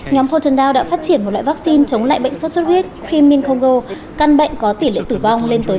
nhóm portendale đã phát triển một loại vaccine chống lại bệnh sốt chốt huyết crimin congo căn bệnh có tỉ lệ tử vong lên tới ba mươi